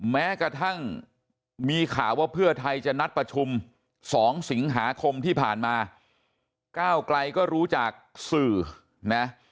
แม้กระทั่งมีข่าวว่าเพื่อไทยจะนัดประชุม๒สิงหาคมที่ผ่านมาก้าวไกลก็รู้จากสื่อนะ